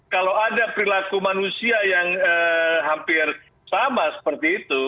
kalau ada perilaku manusia yang hampir sama seperti itu